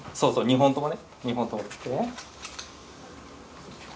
２本とも。